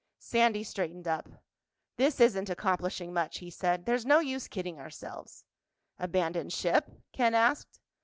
Sandy straightened up. "This isn't accomplishing much," he said. "There's no use kidding ourselves." "Abandon ship?" Ken asked.